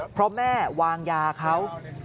เพราะแม่วางยาเขา